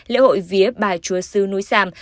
lễ hội vía bà chúa sứ núi sam